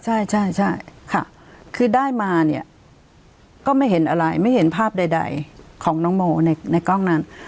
ใช่ใช่ค่ะคือได้มาเนี่ยก็ไม่เห็นอะไรไม่เห็นภาพใดของน้องโมในกล้องนั้น